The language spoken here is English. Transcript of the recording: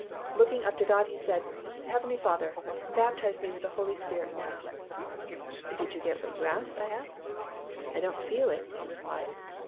Looking up to God he said, "Heavenly Father, baptize me with the Holy Spirit now." "Did you get what you asked?" I asked. "I don't feel it," he replied.